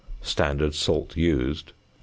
Standard salt used, 100.